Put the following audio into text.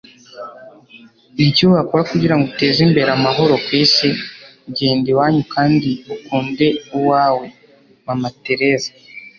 niki wakora kugirango uteze imbere amahoro kwisi? genda iwanyu kandi ukunde umuryango wawe. - mama theresa